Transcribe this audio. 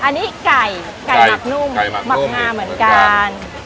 อันนี้ไก่ไก่หมักนุ่มหมักงาเหมือนกัน